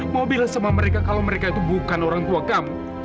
mobil sama mereka kalau mereka itu bukan orang tua kamu